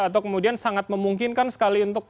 atau kemudian sangat memungkinkan sekali untuk